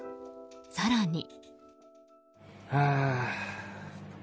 更に。